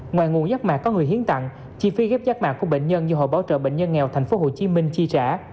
ngoài nguồn giác mạc có người hiến tặng chi phí ghép rác mạc của bệnh nhân do hội bảo trợ bệnh nhân nghèo tp hcm chi trả